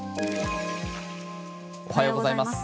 おはようございます。